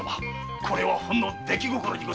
これはほんの出来心。